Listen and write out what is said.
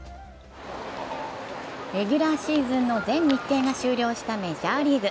レギュラーシーズンの全日程が終了したメジャーリーグ。